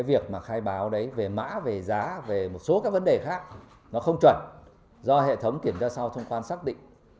việc khai báo về mã về giá về một số các vấn đề khác không chuẩn do hệ thống kiểm tra sau thông quan xác định